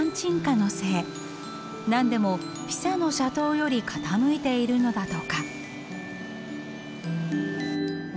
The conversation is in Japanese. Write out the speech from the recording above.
何でもピサの斜塔より傾いているのだとか。